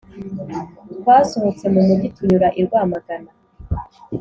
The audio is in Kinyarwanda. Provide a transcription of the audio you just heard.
twasohotse mu mugi tunyura i rwamagana,